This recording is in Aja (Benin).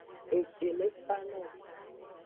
Eji ne fa no wo.